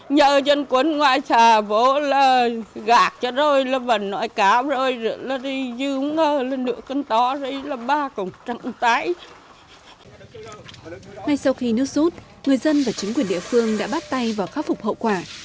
ngay sau khi nước rút người dân và chính quyền địa phương đã bắt tay vào khắc phục hậu quả